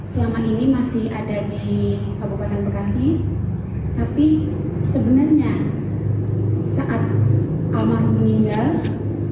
selama ini masih ada di kabupaten bekasi tapi sebenarnya saat almarhum meninggal